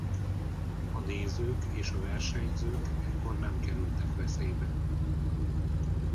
A nézők és a versenyzők ekkor nem kerültek veszélybe.